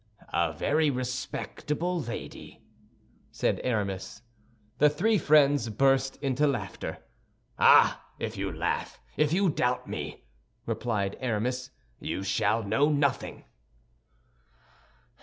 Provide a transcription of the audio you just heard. "A very respectable lady," said Aramis. The three friends burst into laughter. "Ah, if you laugh, if you doubt me," replied Aramis, "you shall know nothing."